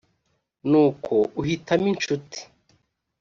n uko uhitamo incuti